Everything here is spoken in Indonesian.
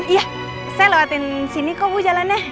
iya saya lewatin sini kok bu jalannya